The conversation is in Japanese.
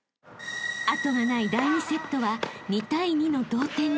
［後がない第２セットは２対２の同点に］